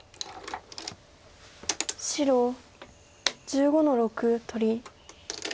白１５の六取り。